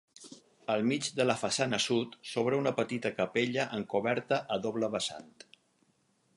Al mig de la façana sud, s'obre una petita capella amb coberta a doble vessant.